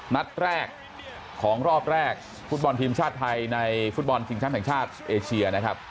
นัดแรกของรอบแรกฟุตบอลทีมชาติไทยในฟุตบอลชิงแชมป์แห่งชาติเอเชียนะครับ